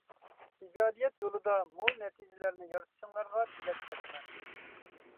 ئىجادىيەت يولىدا مول نەتىجىلەرنى يارىتىشىڭلارغا تىلەكداشمەن.